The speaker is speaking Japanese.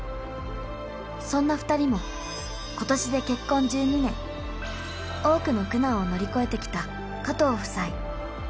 そんな２人も今年で結婚１２年多くの苦難を乗り越えてきた加藤夫妻